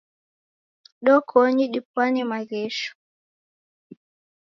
Ndokonyi dipwanye maghesho.